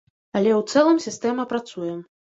Але ў цэлым сістэма працуе.